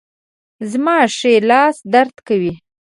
زما ښي لاس درد کوي